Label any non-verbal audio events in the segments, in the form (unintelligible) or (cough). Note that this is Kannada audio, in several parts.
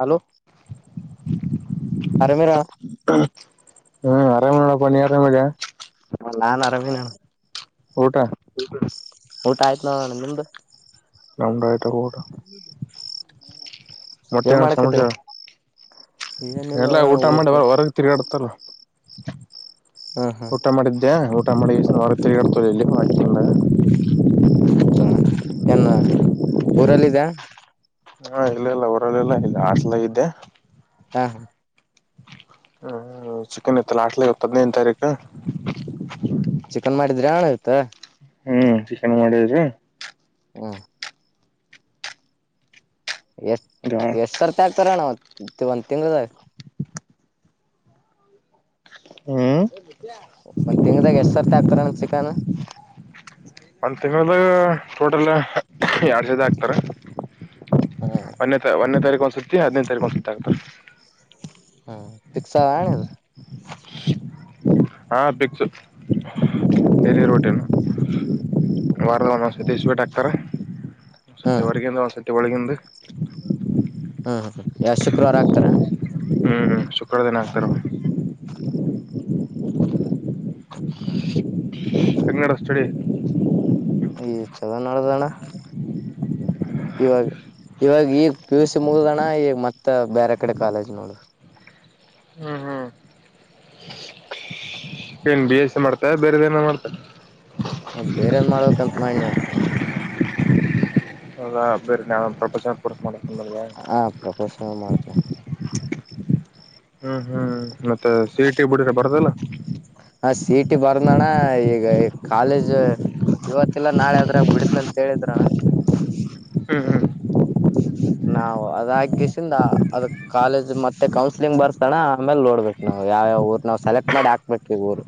ಹಲೋ ಆರಾಮಿರ ಹ್ಮ್ ಆರಾಮ್ ನ ನೀ ಆರಾಮ ಇಡಿಯ. ನಾನ್ ಆರಾಮ್ ಇದೀನಿಅಣ್ಣ. ಊಟ ಬ (inaudible) ಊಟ ಆಯ್ತ ನೋಣ ನಿಮ್ದು. ನಮ್ಮದು ಆಯಿತು ಊಟ ಮತ್ತೆ ಏನ್ ಎನ್ ಮಾಡಕತ್ರಿ ಸಮಾಚಾರ ಏನಿಲ್ಲ ಎಲ್ಲಾ ಊಟ ಊರ್ ಮಾಡಿ ಕಡೆ ಹೊರಗ್ ತಿರ್ಗಾಡ್ತಾ ಹಾ ಹಾ ಊಟ ಮಾಡಿದ್ದ್ಯಾ ಊಟ ಮಾಡಿ ಒರಗ ತೀರ್ಘಡ್ತಿದಾಳೆ ಇಲ್ಲಿ (unintelligible) ಹೋಣ ಏನ್ ಊರಲ್ಲಿದ್ಯಾ ಹಾ ಇಲ್ಲ ಇಲ್ಲ ರಲ್ಲ ಇಲ್ಲ ಇಲ್ಲ ಹಾಸ್ಟಲ್ ಇದೆ ಹಾ ಹಾ ಹ್ಮ್ ಚಿಕನ್ ಇತ್ತಲ್ಲ ಹಾಸ್ಟಲ್ ಅಧಿನೈದು ತಾರೀಕು ಚಿಕನ್ ಮಾಡಿದ್ರೆ ಹಣ ಆಯ್ತಾ. ಹ್ಮ್ ಚಿಕನ್ ಮಾಡಿದ್ರಿ ಹಾ ಎಷ್ಟ ಎಷ್ಟ್ ಸರ್ತಿ ಆಕ್ತಾರಣ.. ಬಂತಂಗದ ಹ್ಮ್ ಒಂದ್ ತಿಂಗ್ಳದಾಗ ಎಷ್ಟ್ ಸರ್ತಿ ಆಗ್ತಾರಣ ಚಿಕನ್ ಒಂದ್ ತಿಂಾಗ ಟೋಟಲ್ ಎಡ್ ಸದ ಆಾಕ್ತಾರ ಹ್ಮ್ ಒಂದೇ ತ ಒಂದೇ ತಾರೀಕು ಒ ಸುತ್ತಿ ಹದಿನೈದು ತಾರೀಕುಂದ ಸುತ್ತತಾಗ್ತು ಹ್ಮ ಪಕ್ಷಾನ ಹಾ ಅಪಿಕ್ಸು ೇರಿ ಹ್ಮ್ ರೋಟನು ವಾರದ ಒಂದೊಂದ್ ಸತಿ ಹ್ಮ್ ಇಸ್ಬೇಟ್ಟ ಹಕ್ತಾರೆ ಒಂದ್ ಸತಿ ಹೊರ್ಗಿಂದ ಒಂದ್ಸತಿ ಕೆಟ ಪಳಗಂದು ಹ್ಮ ಹ ಹ ಹ್ಮ್ ಹ್ಮ್ ಶುಕ್ರ ದಿನ ಆಗ್ತಾರ ಹಾ ತಗ್ಞಾರ ಅಷ್ಟಡಿ ಈ ಚಲೋ ನೋಡದಣ್ಣ ಇವಾಗ ಇವಾಗ ಈಗ ಪಿ ಯು ಸಿ ಮುಗುದಣ್ಣ ಈಗ ಮತ್ತ ಬೇರೆ ಕಡೆ ಕಾಲೇಜ್ ನೋಡ ಹ್ಮ್ ಹ್ಮ್ ಏನ್ ಬಿ ಎಸ್ ಮಾಡ್ತಾ ಬೇರೆದನ ಮಾಡ್ತಾ ಹ ಬೇರೆ ಏನ್ ಮಾಡಬೇಕಕ್ಂತ ಮಾಡನಣ ಹದ ಬೇರಿ ನಾವ ಒಂದು ಪ್ರಪಂಚ ಕೊಡ್ಸ್ ಮಾಡಿ ಹಾ ಪ್ರೊಫಷನಲ್ ಮಾಡ್ತ ಹ್ಮ್ ಹ್ಮ್ ಮತ್ತೆ ಸಿೀಟಿ ಬಿಡಿರ ಬರದಲ್ಲ ನಣ ಈಗ ಹ್ಮ್ ಕಾಲೇಜ್ ಇವತ್ತಲ್ಲ ನಾಳೆ ಆದದ್ರೆ ಬಿಡಿಸಂತ ಹೇಳೇಳಿದ್ರಣ್ಣ ಹ್ಮ್ ನಾವವು ಅದಸಿಂದ ಅದ ಕಾಲೇಜ್ ಮತ್ತೆ ಕೌನ್ಸಿಲಿಂಗ್ ಬರ್ತಣ ಆಮೇಲೆ ನೋಡ್ಬೇಕು ನಾವ್ ಯಾವ್ಯಾವ ಊರ್ ನಾವ್ ಸೆಲೆಕ್ಟ್ ಮಾಡಿ ಹಾಕ್ಬೇಕಕ್ ಈ ಊರು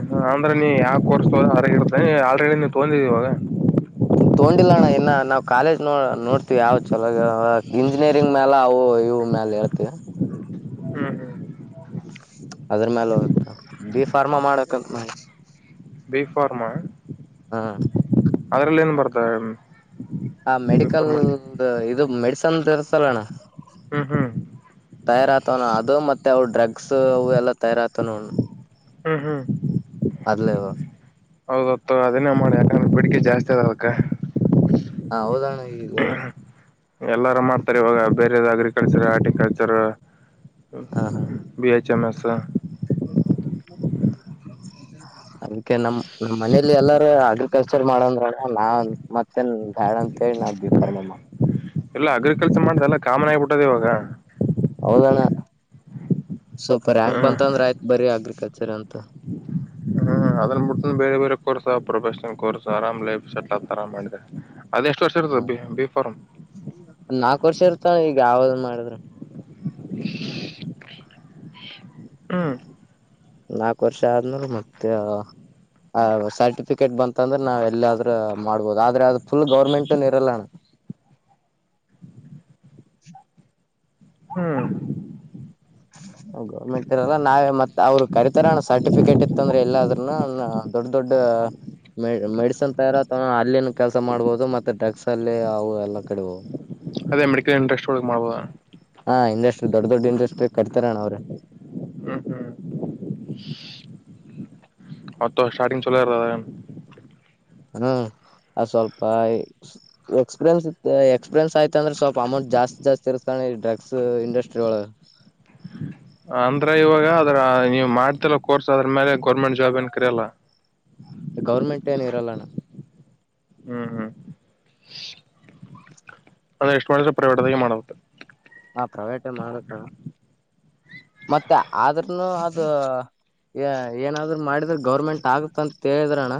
ಹ ಅಂದ್ರೆ ನೀ ಯಾಕೆ ಕೋರ್ಸ್ೋ ಹೊರಗ ಇರ್ತ ಆಲ್ರೆಡಿ ನೀ ತೊಂದಿದಿವಾಗ ತಗೊಂಡಿಲ್ಲಣ್ಣ ಇನ್ನ ನಾವ್ ಕಾಲೇಜ್ ನೋ ನೋಡ್ತಿೀವಿ ಯಾವ ಚಲೋ ಇಂಜಿನಿಯರಿಂಗ್ ಮೇಾಲ ಅವು ಇವು ಮ್ಯಾಲ ಹೇಳ್ತಿವಿ ಹ್ಮ್ ಹ್ಮ್ ಅದ್ರ ಮ್ಯಾಲ ಹೋಗತ ಬಿ ಫಾರ್ಮಾ ಮಾಡಕ ಬಿೀಫಫಾರ್ಮಾ ಹ್ಮ್ ಅದ್ರಲ್ಲಿ ಏನ್ ಬರ್ತಾರೆ. ಹ ಮೆಡಿಕಲ್ ಇದು ಮೆ ಚಂದ್ರ ತಲಣ ಹ್ಮ್ ಹ್ಮ್ ತಯಾರ ಆತವಣ ಅದು ಮತ್ತೆ ಅವ ಡ್ರಗ್ ಬಕ್ಸ್ ಅವು ಎಲ್ಲಾ ತಯಾರ ಆತ ನೋ ಹ್ಮ್ ಹ್ಮ್ ಅದಲೇವ ಹೌದತ್ತು ಅದನೇ ಮಾಡಿ ಯಾಕಂದ್ರೆ ಬಿಡಿಕೆ ಜಾಸ್ತಿ ಅದ ಅದಕ್ಕ ಹಾ ಹೌದೋಣ ಈಗ ಎಲ್ಲಾರು ಮಾಡ್ತಾರೆ ಇವಾಗ ಬೇರೆ ಅಗ್ರಿಕಲ್ಚರ್ ಹಾರ್ಟಿಕಲ್ಚರ್ ಹ ಹ ಬಿ ಹೆಚ್ ಎಮ್ ಎಸ್ ಅದಕ್ಕೆ ನಮ ನಮ್ಮ್ ಮನೇಲಿ ಎಲ್ಲಾರ ಅಗ್ರಿಕಲ್ಚರ್ ಮಾಡಂದ್ರಣ ನಾನ್ ಮತ್ತೇನ್ ಬ್ಯಾಡ ಅಂತೇಳಿ ನಾವ ಬಿಫಾರ್ಮಮ್ಮ ಎಲ್ಲ ಅಗ್ರಿಕಲ್ಚರ್ ಮಾಡ್ದ ಎಲ್ಲ ಕಾಮನ್ ಆಗಿಬಿಟ್ಟದ ಇವಾಗ ಅವಲಣ್ಣ ಸ್ವಲ್ಪ ರ್ಯಾಂಕ್ ಹ್ಮ್ ಬಂತಂದ್ರ ಆಯ್ತ್ ಬರಿ ಆಗ್್ರಿ ಕಚರ ಅಂತ ಹ್ಮ್ ಅದನ್ ಬಿಟ್ಟ ಬೇರೆ ಬೇರೆ ಕೋರ್ಸ್ ಪ್ರೊಫೆಷನಲ್ ಕೋರ್ಸ್ ಆರಾಮ್ ಲೈಫ್ೆಟ್ಲ್ ಆ ಆರಾಮ್ ಮಾಡಿದೆ ಅದ ಎಷ್ಟು ವರ್ಷ ಹ್ಮ ಇರ್ತದೆ ಬಿ ಬಿ ಫಾರ್ಮ್ ನಾಕು ವರ್ಷ ಇರ್ತಾನ ಈಗ ಯಾವ್ ಮಾಡ. (unintelligible) ಹ್ಮ್ ನಾಕು ವರ್ಷ ಆದ್ಮ್ರ ಮತ್ತೆ ಸರ್ಟಿಫಿಕೇಟ್ ಬಂತ ಅಂದ್ರೆ ನಾವ್ ಎಲ್ಲಾದ್ರೂ ಮಾಡ್ಬೋದು ಆದ್ರೆ ಅದು ಫುಲ್ ಗೌರ್ಮೆಂಟನ್ ಇರಲ್ಲಣ ಹ್ಮ್ ಗೌರ್ಮೆಂಟ್ ಇರಲ್ಲ ನಾವೇ ಮತ್ತೆ ಅವರು ಕರಿತರೋಣ ಸರ್ಟಿಫಿಕೇಟ್ ಇತ್ತಂದ್ರೆ ಎಲ್ಲ ಅ್ರನ ದೊಡ್ ದೊಡ್ಡ ಮೆ ಮೆಡಿಸನ್ ತಯಾರತ ಅಲ್ಲಿನ ಕೆಲ್ಸ ಮಾಡ್ಬೋುದು ಮತ್ತೆ ಡ್ರಗ್ಸ್ ಅಲ್ಲಿ ಅವು ಎಲ್ಲಾ ಕೆಡಬವು ಅದೇ ಮೆಡಿಕಲ್ ಇಂಟ್ರೆಸ್ಟ್ ಅಲಿ ಮಾಡ್ಬೋದು. ಹಾ ಇಂಡಸ್ಟ್ರಿ ದೊಡ್ಡ ದೊಡ್ಡ ಇಂಡಸ್ಟ್ರಿ ಕಟ್ತಾರಣ ಅವ್ರರು ಹ್ಮ್ ಹ್ಮ್ ಮತ್ತ ಸ್ಟಾರ್ಟಿಂಗ್ ಚಳಿಹಿರ್ತದೇನು ಹ್ಮ್ ಅದು್ ಸ್ವಲ್ಪ ಎಕ್ಸ್ಪೀರಿಯನ್ಸ್ ಎಕ್ಸ್ಪೀರಿಯನ್ಸ್ ಆಯ್ತ ಅಂದ್ರೆ ಸ್ವಲ್ಪ ಅಮೌಂಟ್ ಜಾಸ್ತಿ ಜಾಸ್ತಿ ಇರ್ಸ್ತಾನೆ ಡ್ರಗ್ಸ್ ಇಂಡಸ್ಟ್ರಿ ಒಳ ಅಂದ್ರ ಇವಾಗ ಅದ್ರ ನೀವು್ ಮಾಡ್ತಿಲ್ಲ ಕೋರ್ಸ್ ಅದ್ರ ಮೇಲೆ ಗೌರ್ಮೆಂಟ್ ಜಾಬ್ ಏನ್ ಕರಿಲ್ಲ ಗೌರ್ಮೆಂಟ್ ಏನ್ ಇರಲ್ಲಣ ಹ್ಮ್ ಹ್ಮ್ ಅದ ಎಷ್ಟು ಮಾಡ ಪ್ರವೇಟ್ ದಗ ಮಾಡಬೇಕು. ಹಾ ಪ್ರೈವೇಟೇ ಮಾಡಕಣ ಮತ್ತೆ ಆದ್ರನು ಅದು ಏನಾದ್ರು ಮಾಡಿದ್ರ ಗೌರ್ಮೆಂಟ್ ಆಗುತ್ತ ಅಂತ ಹೇಳಿದ್ರಣ್ಣ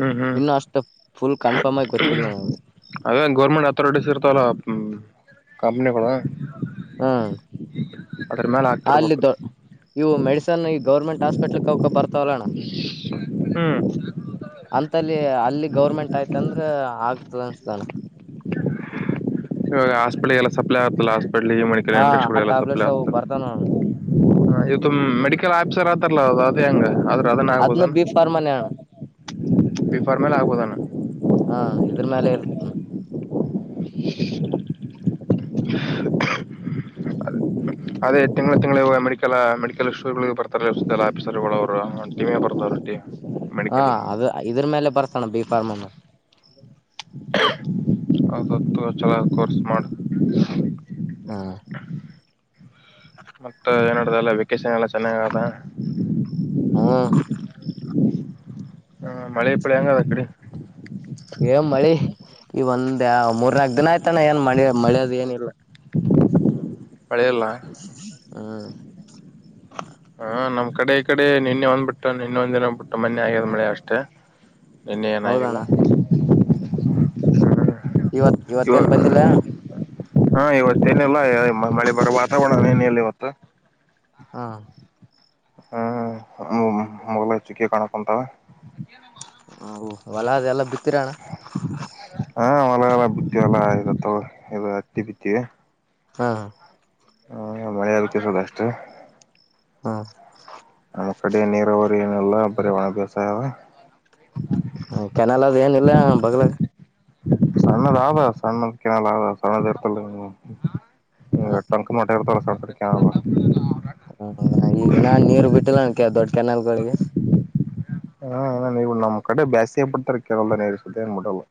ಹ್ಮ್ ಹ್ಮ್ ಇನ್ನು ಅಷ್ಟು ಫುಲ್ ಕನ್ಫರ್ಮ್ ಆಗಿ ಗೊತ್ತಿಲ್ಲ ನನಗೆ ಅದೇ ಗೌರ್ಮೆಂಟ್ ಅಥಾರಿಟೀಸ್ ಇರ್ತಲ್ಲ. ಕಂಪನಿಗಳು ಹ್ಮ್ (inaudible) ಅಲ್ಲಿ ಆಗ್ತಿರ್ಬೇಕು ಇವು ಮೆಡಿಸನ್ ಈ ಗೌರ್ಮೆಂಟ್ ಹಾಸ್ಪಟಲ್ ಕ ಅವ ಬರ್ ತಲೋಣ ಹ್ಮ್ ಅಂತಲ್ಲಿ ಅಲ್ಲಿ ಗೌರ್ಮೆಂಟ್ ಆಯ್ತ ಅಂದ್ರ ಆಗ್ತದ ಅನ್ಸ್ತಾನ ಇಾಗ ಹಾಸ್ಪಟ್ಲ್ ಎಲ್ಲ ಸಪ್ಲೈ ಆಗತಲ್ಲಸ್ ಮಕ ಹಾ ಅ್ರ ಆ ಶಡಲ್ಲ ಸೊಲ ಟ್ಯಾಬ್ಲೆಟ್ಸ್ ಅತ ಅವು ಬರ್ತಾನ ಹ ಇವತ್ತು್ ಮೆಡಿಕಲ್ ಆಫೀಸರ್ ಆತಾರಲ್ಲ ಅದು ಅದೇ ಹೆಂಗ ಆದ್ರೆ ಅದನ್ನ ಅದ್ನು ಆಗ್ಬೋದಣ ಬಿ ಫಾರ್ಮನೇ ಅಣ್ಣ ಬಿಫಾರ್್ಮೇಲೆ ಆಗ್ಬೋದಣ ಹ್ಮ ಹೂ ಹೂ ಹೂ ಹು ಅದೇ ತಿಂಗಳ ತಿಂಗಳ ಮೆಡಲ್ ಮೆಡಿಕಲ್ ಶ್ಟೋರ್ ಬರ್ತಾರೆ ಆಫೀಸರ್ ಗಳು ಅವರು ಟಮ ಬರ್ತವ್ ಹಾ ಅದು ಇದ್ರ ಮೇಲೆ ಬರ್ಸೋಣ ಬಿ ಫಾರ್ಮನ್ನು ಹೌದತ್ತು ಚಲ ಕೋರ್ಸ್ ಮಾಡು ಹ್ಮ ಮತ್ತತ್ ಏನಡಲ್ಲ ಷಲ್ಲ ಚೆನ್ನಾಗಾದಾ ಹ್ಮ್ ಹ ಮಳೆ ಪಳ ಹೆಂಗದ ಅ ಕಡೆ ಮಾಡಿ ಇವನ್ ಮೂರ್ ನಕಕ್ ದಿನಯ್ತಾನ ನ್ ಮಾಡ ಅೆ ಮಳೆ ಅದ ಏನಿಲ್ಲ ಮಳೆ ಇಲ್ಲ ಹಾ ಹಾ ನಮ್ ಕಡೆ ಈ ಕಡೆ ನಿನ್ನೆ ಒಂದ್ಬಿಟ್ಟು ನಿನ್ನೆಂದ ದಿನಂದ್ಬಿಟ್ಟು ಮೊನ್ನೆ ಆಗ್ಯದ್ ಮಳೆ ಅಷ್ಟೇ ನಿನ್ನೆ ಏನಾಗಿಲ್ಲ ಹೌದಣ್ಣ ಇವತ್ ಇವತ್ತೇನ್ ಬಂದಿಲ್ಲ ಇವಾಗ ಹಾ ಇವತ್ತೇಏನಿಲ್ಲ ಮಳೆ ಬರ ವಾತಾವರಣ ಏನಲ್ಲ ಇವತ್ತು ಹಾ ಹ್ಮ್ ಮೊದಲ ಚುಕ್ಕೆ ಕಾಣಕ್ಂತಾವ ಹ ಹೊಲ ಅ ಎಲ್ಲ ಬಿ ಹಾ ಎ ಎಲ್ಲ ಬಟ್ಟಿ ಎಲ್ಲ ಇತ್ತ ಇ ಹತ್ತಿ ಬಿಟ್ಟಿ ಹಾ ಹಾ ಹ್ಮ ಮಳೆ ಅದ ಕಿಸದ ಅಷ್ಟು ಹಾ ನಮ್ಮ ಕಡೆ ನೀರಾವರಿ ಏನಲ್ಲ ಬರ ಒಣಭ್ಯಾಸಾಯ ಕೆನಲ್ ಅದು ಏನಿಲ್ಲ ಬಗ್ಲಾಗ ಸಣ್ಣದ ಆಾ ಸಣ್ಣದ ಕಿನಾಲ ಆ ಸಣ್ಣದ ಇರ್ತಲ್ಲ ಹ ಟಂಕ್ ಮಟ ಇರ್ತವ ಪ್ರ ಕೆನಲ್ ಗಳಿಗೆ ಹಾ ನೀವು ನಮ್ಮ್ ಕಡೆ ಬ್ಯಾಸಿಯ ಪಡ್ತಾರ ಕರಳದ ನೀಸುತ್ತೆ ಏನ್ಬಿಟಲ್ಲ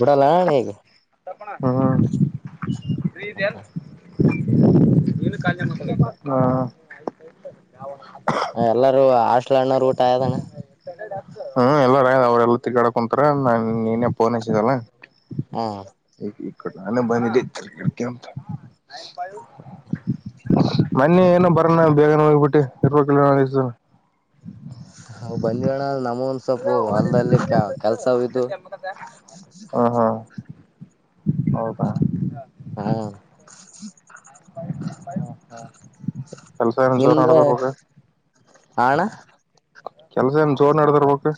ಬಿಡಲ್ಲ ಅಣ್ಣ ಈಗ ಣ ೀ ಇದಲ್ಲ ನೀನು ಮ ಎಲ್ಲಾರೂ ಹಸ್ಲ ಹಣ್ಣೋರು ಊಟ ಆದದಾನ ಹ್ಮ್ ಎಲ್ಲಾರಯ ಅವ್ರ ಎಲ್ಲ ತಿಗಾಡ ಕುಂತಾರ ನಾನ್ ನೀನೇ ಪಫೋನ್ಸಿದಲ್ಲ. ಹಾ ಈ ನಾನ ಬಂದಿದ್ದಂತ ಮನ್ನಿ ಏನೋ ಬರಣ ಬೇಗನೆ ಹೋಗ್ಬಿಟ್ಟಿ ಇರ್ ಕಲೋ ನ. ಹ ಬಂದಿರೋಣ್ಣ ನಮ್ಮ ಸ್ೊಪ ಒಂದಲ್ಲಿ ಕೆಲ್ಸ ಇು ಹಾ ಹಾ ಹೌದಾ ಹಾ ಲ ಒಕ್ತ ಕೆಲಸ ನಚರ ಅಡ ತರ್ಪಕ ಆಣ ಕೆಲ್ಸ ಏನ್ ಜೋರ್ ನಡದರ್ಬೇಕು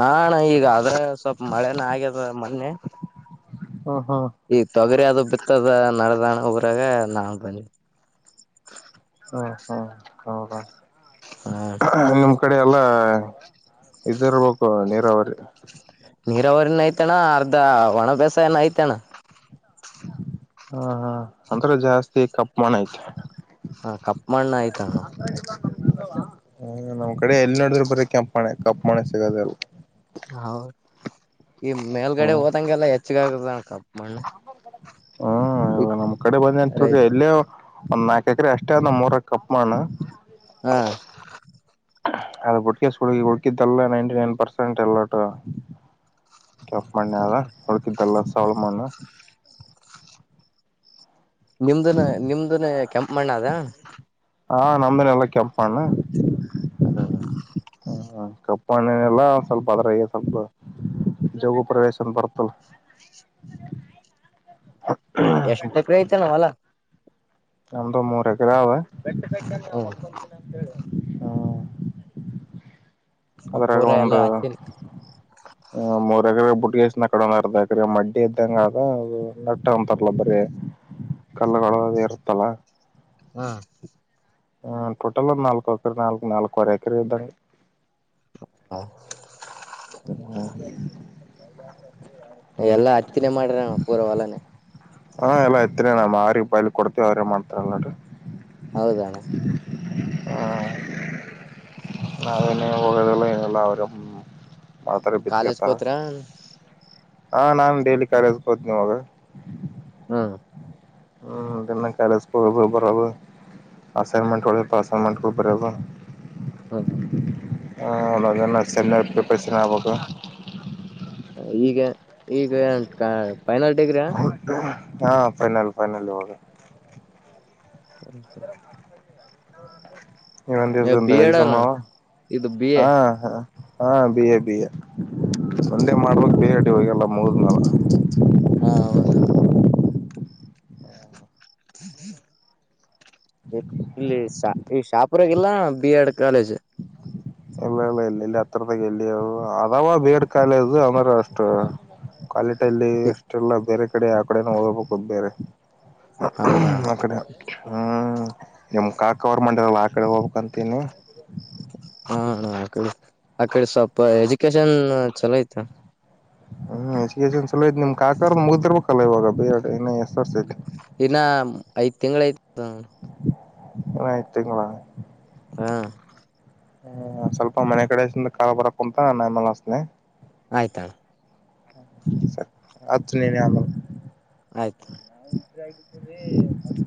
ಹಾಣ್ಣ ಈಗ ಆದ್ರೆ ಸ್ವಲ್ಪ ಮಳೆನ ಆಗ್ಯದ ಮೊನ್ನೆ ಹ್ಮ ಹ್ಮ್ ಆಯ್ತ ಅದ್ರ ಅದು ಬಿತ್ತದ ನಡದಾಣ ಒಗ್ರಾಗ ನಾ ಬಂದವಿ. ಹ್ಮ ಹಾ ಹೌದಾ ಹ ನಿಮ್ ಕಡೆ ಎಲ್ಲ ಇದಿರ್ಬೇಕು ನೀರಾವರಿ ನೀರಾವರಿನ ಐ್ತಣ್ಣ ಅರ್ಧ ಒಣ ಬ್ಯಸಾಯಏನ ಐ್ತಣ್ಣ ಹಾ ಹಾ ಒಥರ ಜಾಸ್ತಿ ಕಪಮಾನ ಐ್ತೆ. ಹಾ ಕಪ್ಪ ಮಣ್ಣ ಆಯ್ತಣ್ಣ ಹ್ಮ ನಮ್ಮ್ ಕಡೆ ಎಲ್ಲಿ ನೋಡಿದ್ರರು ಬರ್ರ ಕೆಂಪ ಮಣೆ ಕಪ್ಪು ಮಣೆ ಸಿಗದರು ಹೌದು ಈ ಮೇಲ್ಗಡೆ ಹ್ಮ್ ಹೋದಂಗೆಲ್ಲ ಹೆ.. ಚಿಕಕ್ಕಾಗದ ಕಪ್ ಮ ಹ್ಮ್ ಇವಾಗ ನಮ್ ಕಡೆ ಬಂದ ನತ್ ಎಲ್ಲೇ ಒಂದಾಲ್ಕ ಎಕರೆ ಅಷ್ಟೇ ನ ಮೂೂರ ಕಪ್ಪಣ. ಹಾ ಅದ ಬುಟ್ಕುಡು ಉುಡುಕಿದ್ದಲ್ಲ ನೈನ್ಟಿ ನೈನ್ ಪರ್ಸೆಂಟ್ ಎಲ್ಲಟ ಕೆಪ್ ಮಣ್ಣಿದ ಹುಳ್ಕಿದ್ದಲ್ಲ ಸಾವಳ ಮಾನ. ನಿಮ್ದನ ನಿಮ್ದನೆ ಯಾ. ಕೆಂಪ ಮಣ್ಣಾ ಅದ. ಹಾ ನಮ್ಮದ್ರಗು ಕೆಂಪ ಮಣ್ಣ. ಹ್ಮ ಹ್ಮ ಕಪ್ಪಣ್ಣನೆ ಎಲ್ಲ ಸ್ವಲ್ಪ ಅದ್ರಾಗ ಸ್ವಲ್ಪ ಜೋಗು ಪ್ರವೇಶನ್ ಬರ್ತಲ್ಲ. ಎಷ್ಟ ಎಕರೆ ಐತ. ಇತ್ತೆನೆ ಹೊಲಾ. ನಮ್ಮೂದು ಮೂರ ಎಕರ ಅವ. ಬೆಟ್ಟ ಬೇಟಾನ ಹ್ಮ ಮುಂಕ್ತೀನಿ ಅಂತೇಳಿ. ಅದರಾಗ ಪೂರ ಎಲ್ಲ ಒಂದು.... ಹತ್ತಿನ ಮೂರ್ ಎಕರೆ ಬುಟ್ಟಿಗೆ. ನ ಕಡರ್ದಕ್ರೀ ಮಡ್ಡಿ ಇದ್ದಂಗ ಆದ ನಟ್ಟ ಅಂತರ್ಲ್ಲ ಬರೆ. ಕಲ್ಲಗಳ ಇರುತ್ತೆ. ಹ ಹಾ ಹು ಟೋಟಲ್ ನಾಲ್ಕುಅಕತಿ ನಾಲ್ಕು ನಾಲ್ಕುವರೆ ಎಕರೆ ಇದ. ಹಾ ಏನ್ ಮಾಡಾಕತ್ತಿ. ಎಲ್ಲಾ ಹತ್ತಿನೇ ಮಾಡ್ರಣ ಪೂರ ಹೊಲಾನ ಹಾ ಎಲ್ಲ ಇತ್ನನೆ ನಮ್ ಆ್ರಿಗೆ ಬಾಯ್ಲಿ ಕೊಡ್ತೀವಿ ಅವ್ರ ಮಾಡ್ತಾರಲ್ಲ ನೋಡರಿ ಹೌದಣ್ಣ ನಾವೇನ ಹೋಗೋದು ಎಲ್ಲ ಅವರ ಕಾಲೇಜ್ ಕೋತ್ರರ ಹಾ ನಾನ್ ಡೇಲಿ ಕರೆಸ್ಬಹದು ನಮಗೆ ಹ್ಮ ಹ್ಮನ್ನ ಕ್ಯಾಲೇಜ ಪ ಬರ ಅಸೈನ್ಮೆಂಟ್ ಹೊಳೆಯ ಅಸೈನ್ಮೆಂಟ್ಗಳು ಬರುವ ಹ್ಮ ಹ ಸ ಪ್ರಿಪರೇಶನ್ಾಗ ಈಗ ಈಗ ಫೈನಲ್ ಡಡಿಗ್ರಿಯಾ ಹಾ ಫೈನಲ್ ಫೈನಲ್ ಹೋಗ ಅದರ ಹಲೋ ನೀಂದ ಎಕ್ಸಾಮ ಆವಾ ಇದು ಬಿ ಎ ಹ ಹ ಹಾ ಬಿಿಯ ಬಿಿಯ ಒಂದೇ ಮಾಡ್ಬೇಕಕ್ ಬಿಟಿ ಹೋಗಲ್ಲ ಮುಗದ ಮಾಲ ಹಾ ಇಲ್ಲಿ ಈ ಶಾಪುರಗಲ್ಲ ಬಿ ಎಡ್ ಕಾಲೇಜ್ ಇಲ್ಲ ಇಲ್ಲ ಇಲ್ಲ ಇಲ್ಲಿ ಹತ್ರದಾಗ ಎಲ್ಲಿರು ಅದಾವ ಬೇಡ್ ಕಾಲದು ಅಂದ್ರೆ ಅಷ್ಟ ಕ್ಾಲಿ ಕಲ್ಲಿ ಅಷ್ಟೆಲ್ಲ ಬೇರೆ ಕಡೆ ಆ ಕಡೆನ ಓದಬೇಕು ಅ ಬೇರೆ ಹೌದಾ ಮಡೆ ಹ್ಮ್ ನಿಮ್ ಕಾಕ ಅವ್ರ ಮಂಡಿರಲ್ಲ ಆ ಕಡೆ ಹೋಗ್ಬೇಕಕ್ಂತನಿ ಹ ಆ ಆಕಡೆ ಸ್ವಲ್ಪ ಎಜುಕೇಶನ್ ಚಲೋ ಆಐ್ತ. ಹ್ಮ್ ಚಲೋದು ನಿಮ್ಮ್ ಕಾಕಾರ್ರ ಮುಗಿರ್ಬೇಕಲ್ಲ ಇವಾಗ ಬೇಡಡು ಏ ಎಸ್ರ್ಸೈತಿ ಇನ್ನ ಐದ್ ತಿಂಗಗಳ ಐತ್ ಹ ಯತ್ಯಂಗಾ ಹಾ ಹ್ಮ ಸ್ವಲ್ಪ ಮನೆ ಕಡೆಸಿಂದ ಕಾಳ ಬರಕ್ ಕುಂತ ನ ಆಮೇಲೆಸನೆ. ಆಯ್ತಾ ರಿ ಅತ್ತುನೇನ ಆಮ ಆಯ್ತ ನಾ್